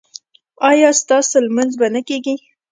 ایا ستاسو لمونځ به نه کیږي؟